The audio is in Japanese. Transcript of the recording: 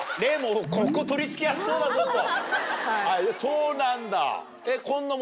そうなんだ。